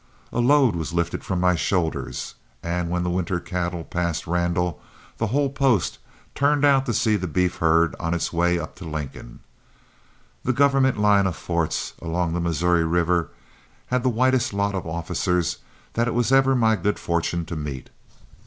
A load was lifted from my shoulders, and when the wintered cattle passed Randall, the whole post turned out to see the beef herd on its way up to Lincoln. The government line of forts along the Missouri River had the whitest lot of officers that it was ever my good fortune to meet.